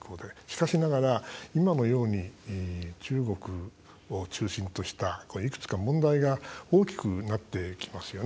しかしながら、今のように中国を中心とした、いくつか問題が大きくなってきますよね